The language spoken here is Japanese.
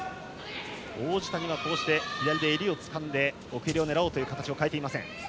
王子谷は左で襟をつかんで奥襟を狙うという形は変えていません。